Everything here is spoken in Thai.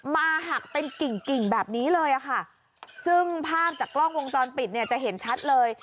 หักเป็นกิ่งกิ่งแบบนี้เลยอะค่ะซึ่งภาพจากกล้องวงจรปิดเนี่ยจะเห็นชัดเลย